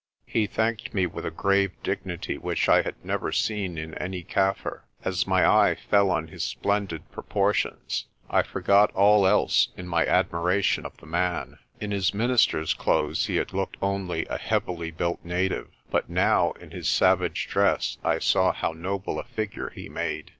He thanked me with a grave dignity which I had never seen in any Kaffir. As my eye fell on his splendid propor tions I forgot all else in my admiration of the man. In his minister's clothes he had looked only a heavily built native but now in his savage dress I saw how noble a figure he made.